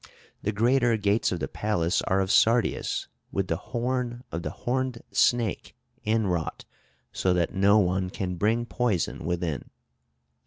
The greater gates of the palace are of sardius, with the horn of the horned snake inwrought, so that no one can bring poison within.